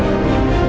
mas dok pergi